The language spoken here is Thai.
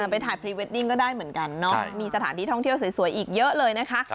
ไปถ่ายพรีเวดดิ้งก็ได้เหมือนกันมีสถานที่ท่องเที่ยวสวยอีกเยอะเลยนะคะ